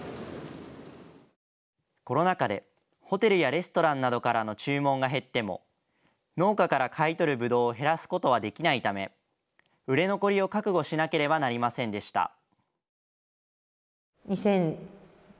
コロナ禍でホテルやレストランなどからの注文が減っても農家から買い取るぶどうを減らすことはできないため売れ残りを覚悟しなければなりませんでした。